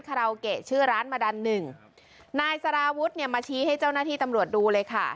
คาราโอเกะชื่อร้านมาดันหนึ่งนายสารวุฒิเนี่ยมาชี้ให้เจ้าหน้าที่ตำรวจดูเลยค่ะ